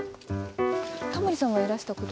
タモリさんはいらしたことは？